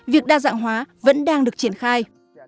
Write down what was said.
việc đa dạng hóa vẫn đang được triển khai